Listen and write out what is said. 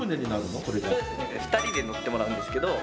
２人で乗ってもらうんですけど。